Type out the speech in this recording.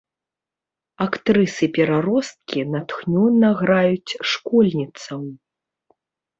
Актрысы-пераросткі натхнёна граюць школьніцаў.